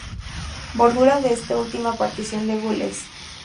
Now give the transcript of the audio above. Bordura de esta última partición de gules.